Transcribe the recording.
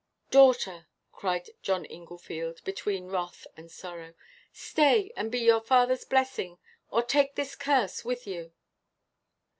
"Daughter," cried John Inglefield, between wrath and sorrow, "stay and be your father's blessing, or take his curse with you!"